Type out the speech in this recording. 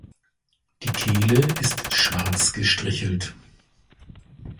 Die Kehle ist schwarz gestrichelt.